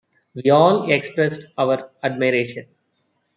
We all expressed our admiration.